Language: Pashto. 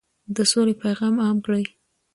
د سولې پیغام عام کړئ.